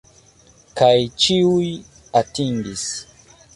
Kaj ĉiuj atingis!